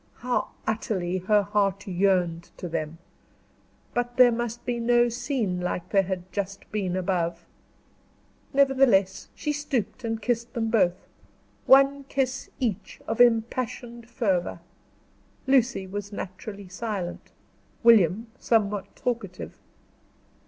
How utterly her heart yearned to them; but there must be no scene like there had just been above. Nevertheless she stooped and kissed them both one kiss each of impassioned fervor. Lucy was naturally silent, William somewhat talkative.